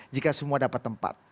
jika semua dapat tempat